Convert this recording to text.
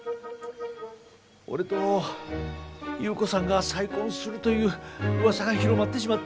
俺と優子さんが再婚するといううわさが広まってしまって。